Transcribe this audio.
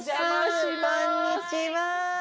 こんにちは！